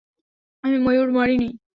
আমি ময়ূর মারিনি।